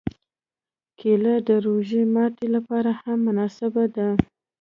کېله د روژه ماتي لپاره هم مناسبه ده.